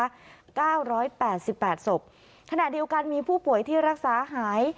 เก้าร้อยแปดสิบแปดศพขณะเดียวกันมีผู้ป่วยที่รักษาหาย